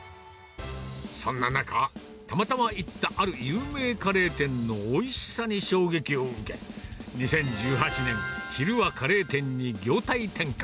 そんな中、たまたま行ったある有名カレー店のおいしさに衝撃を受け、２０１８年、昼はカレー店に業態転換。